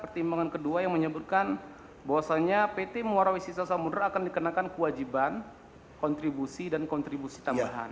pertimbangan kedua yang menyebutkan bahwasannya pt muarawis sisa samudera akan dikenakan kewajiban kontribusi dan kontribusi tambahan